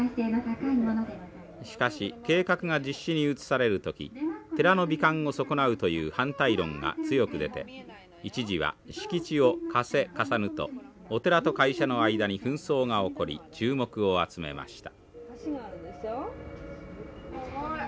しかし計画が実施に移される時寺の美観を損なうという反対論が強く出て一時は「敷地を貸せ」「貸さぬ」とお寺と会社の間に紛争が起こり注目を集めました。